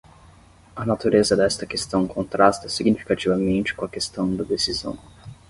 A natureza desta questão contrasta significativamente com a questão da decisão.